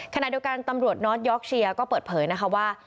ขณะเดียวกันตำรวจนอสยอกเชียร์ก็เปิดเผยนะคะว่า